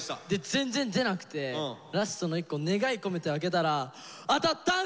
全然出なくてラストの１個願い込めて開けたら当たったんすよ！